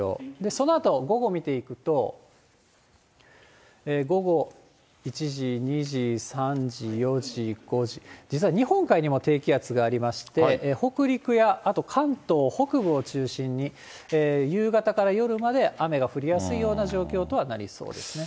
そのあと午後見ていくと、午後１時、２時、３時、４時、５時、実は日本海にも低気圧がありまして、北陸や、あと関東北部を中心に、夕方から夜まで雨が降りやすいような状況とはなりそうですね。